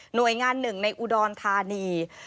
โดยงานหนึ่งในอุดรธานี